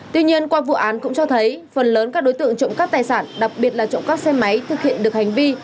tuy nhiên qua vụ án cũng cho thấy phần lớn các đối tượng trộm cắp tài sản đặc biệt là trộm cắp xe máy thực hiện được hành vi